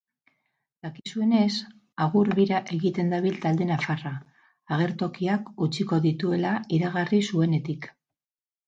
Dakizuenez, agur-bira egiten dabil talde nafarra, agertokiak utziko dituela iragarri zuenetik.